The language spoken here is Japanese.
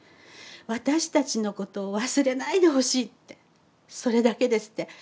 私たちのことを忘れないでほしいってそれだけですって。